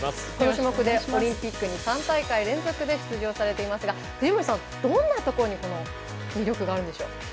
この種目でオリンピックに３大会連続で出場されていますが藤森さん、どんなところに魅力があるんでしょう。